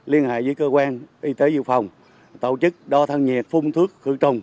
liên hệ với cơ quan y tế dự phòng tổ chức đo thân nhiệt phun thuốc khử trùng